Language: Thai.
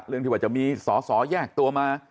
เรื่องที่ว่าจะมีสอสอแยกตัวมา